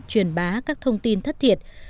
truyền bá các thông tin thất thiệt